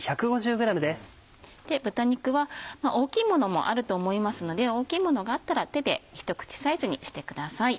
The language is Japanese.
豚肉は大きいものもあると思いますので大きいものがあったら手でひと口サイズにしてください。